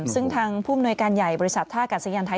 ซึ่งทางผู้มนวยการใหญ่บริษัทธาตุการณ์สัญญาณไทย